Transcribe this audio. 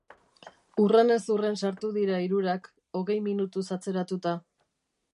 Hurrenez hurren sartu dira hirurak... hogei minutuz atzeratuta.